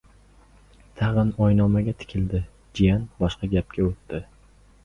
Tag‘in oynomaga tikildi. Jiyan boshqa gapga o‘tdi: